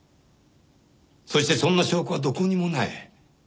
そしてそんな証拠はどこにもない。